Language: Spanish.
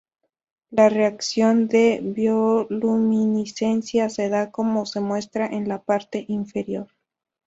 La reacción de bioluminiscencia se da como se muestra en la parte inferior.